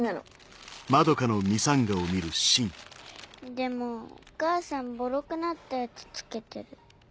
でもお母さんぼろくなったやつ着けてる。